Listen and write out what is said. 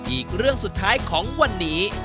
อีกเรื่องสุดท้ายของวันนี้